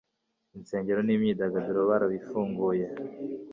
insengero ni myidagaduro barabifunguye